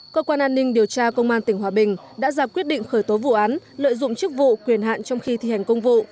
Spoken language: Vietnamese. cơ quan an ninh điều tra công an tỉnh hòa bình đã ra quyết định khởi tố vụ án lợi dụng chức vụ quyền hạn trong khi thi hành công vụ